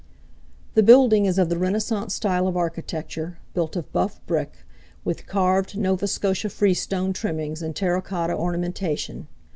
The building is of the Renaissance style of architecture, built of buff brick, with carved Nova Scotia freestone trimmings and terra cotta ornamentation.